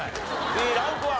Ｂランクは？